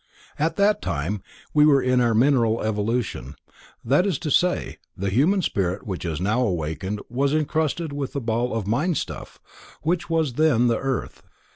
At that time we were in our mineral evolution. That is to say: The Human Spirit which has now awakened was encrusted in the ball of mindstuff, which was then the earth.